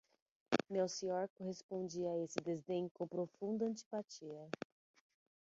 Melcior correspondia a esse desdém com profunda antipatia.